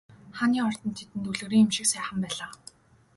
Хааны ордон тэдэнд үлгэрийн юм шиг сайхан байлаа.